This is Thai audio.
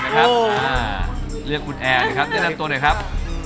ครับเรียกคุณแอร์หน่อยครับตั้งแต่นับตัวหน่อยครับ